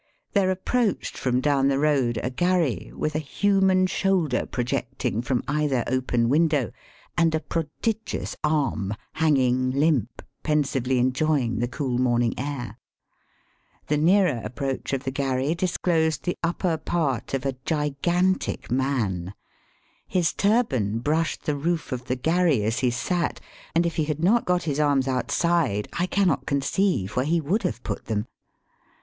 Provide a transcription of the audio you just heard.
There ap proached from down the road a gharry with a human shoulder projecting from either open window, and a prodigious arm hanging limp^ pensively enjoying the cool morning air* The nearer approach of the gharry disclosed the upper part of a gigantic man* His turban brushed the roof of the gharry as he sat, and if he had not got his arms outside I cannot conceive where he would have put them.